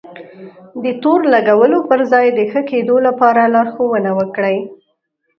د تور لګولو پر ځای د ښه کېدو لپاره لارښونه وکړئ.